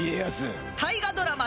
大河ドラマ